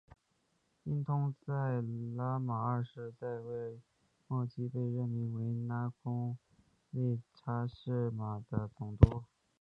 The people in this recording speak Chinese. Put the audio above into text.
通因在拉玛二世在位末期被任命为那空叻差是玛的总督。